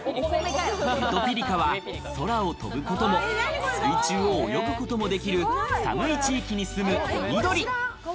エトピリカは空を飛ぶことも、水中を泳ぐこともできる寒い地域に住む海鳥。